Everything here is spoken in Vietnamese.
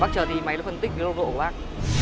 bác chờ tí máy nó phân tích cái lồng độ của bác